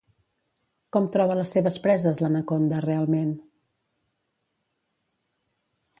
Com troba les seves preses l'anaconda realment?